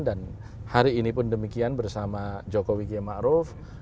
dan hari ini pun demikian bersama jokowi g ma'ruf